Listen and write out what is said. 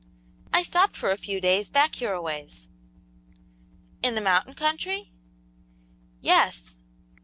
"I stopped for a few days, back here a ways." "In the mountain country?" "Yes."